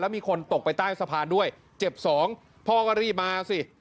มีคนตกไปใต้สะพานด้วยเจ็บสองพ่อก็รีบมาสิ